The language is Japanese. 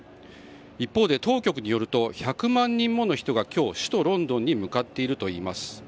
一方で当局によると１００万人の人が今日、首都ロンドンに向かっているといいます。